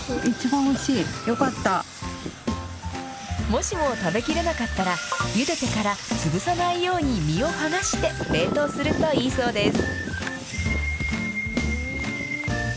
もしも食べきれなかったら、ゆでてから潰さないように実を剥がして、冷凍するといいそうです。